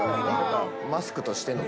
マスクとしての。